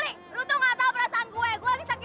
lo tuh gak tau perasaan gue